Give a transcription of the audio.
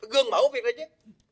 gương mẫu việc này chứ